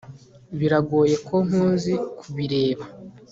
biragoye ko nkuzi kubireba